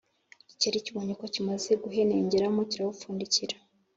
igikeri kibonye ko imaze guhenengeramo kirawupfundikira